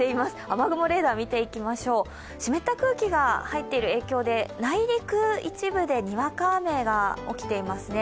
雨雲レーダーを見ていきましょう湿った空気が入っている影響で内陸、一部でにわか雨が起きていますね。